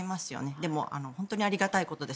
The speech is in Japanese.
でも本当にありがたいことです。